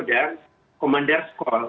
dan komandir sekolah